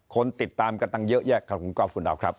คนติดตามกระต่างเยอะแยะขอบคุณครับคุณอาว